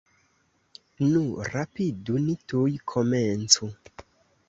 Nu, rapidu, ni tuj komencu!